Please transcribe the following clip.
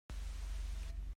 A it.